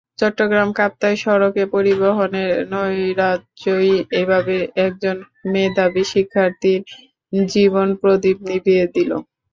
চট্টগ্রাম-কাপ্তাই সড়কে গণপরিবহনের নৈরাজ্যই এভাবে একজন মেধাবী শিক্ষার্থীর জীবনপ্রদীপ নিভিয়ে দিল।